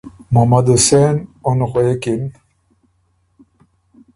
محمد حسېن اُن غوېکِن